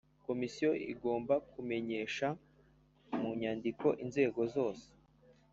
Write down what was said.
Komisiyo igomba kumenyesha mu nyandiko inzego zose